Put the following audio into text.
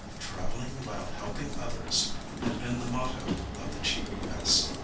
"Travel While Helping Others" had been the motto of the GES.